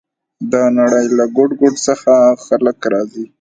د نړۍ له ګوټ ګوټ څخه خلک راځي.